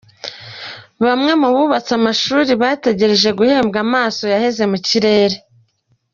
Bamwe mu bubatse amashuri bategereje guhembwa amaso yaheze mu kirere